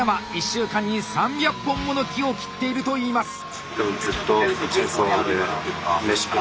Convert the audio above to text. １週間に３００本もの木を切っているといいます。